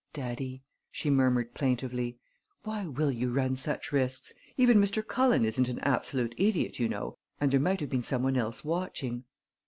"Daddy," she murmured plaintively, "why will you run such risks? Even Mr. Cullen isn't an absolute idiot, you know, and there might have been some one else watching."